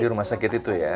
di rumah sakit itu ya